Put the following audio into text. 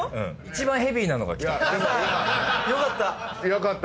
よかった。